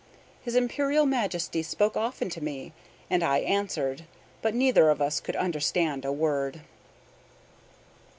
His Imperial Majesty spoke often to me, and I answered; but neither of us could understand a word.